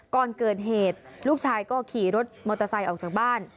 ก่อนเกิดเหตุลูกชายก็ขี่รถมอเตอร์ไซค์ออกจากบ้าน